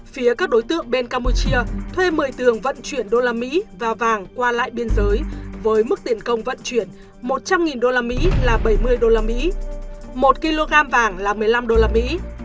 phía các đối tượng bên campuchia thuê một mươi tường vận chuyển đô la mỹ và vàng qua lại biên giới với mức tiền công vận chuyển một trăm linh đô la mỹ là bảy mươi đô la mỹ một kg vàng là một mươi năm đô la mỹ